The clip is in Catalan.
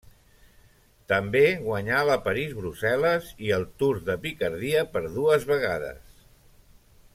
També guanyà la París-Brussel·les i el Tour de Picardia, per dues vegades.